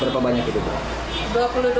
berapa banyak itu